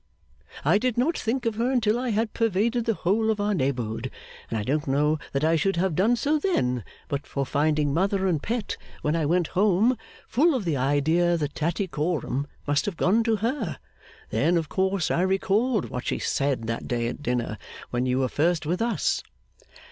I did not think of her until I had pervaded the whole of our neighbourhood, and I don't know that I should have done so then but for finding Mother and Pet, when I went home, full of the idea that Tattycoram must have gone to her. Then, of course, I recalled what she said that day at dinner when you were first with us.